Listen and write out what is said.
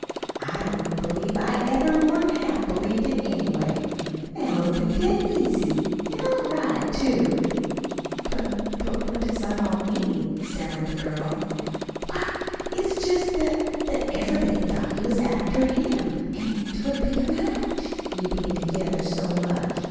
I don't believe I ever more 'n half believed it, anyway. Now it'll be dead easy, an' all right, too." "But but what does it all mean?" stammered the girl. "Why, it's jest that that everybody thought you was after him, an't would be a match you bein' together so much.